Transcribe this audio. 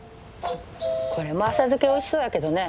これも浅漬けおいしそうやけどね。